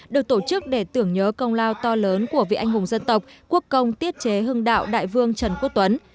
được tổ chức để tưởng nhớ công lao to lớn của vị anh hùng dân tộc quốc công tiết chế hưng đạo đại vương trần quốc tuấn